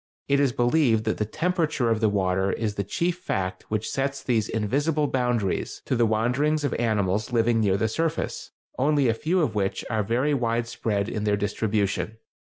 It is believed that the temperature of the water is the chief fact which sets these invisible boundaries to the wanderings of animals living near the surface, only a few of which are very wide spread in their distribution.